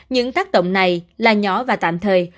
những tác động này là nhỏ và tạm thời